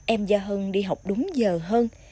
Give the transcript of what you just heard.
em gia hân đi học đúng giờ hơn